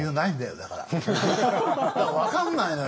だから分かんないのよ。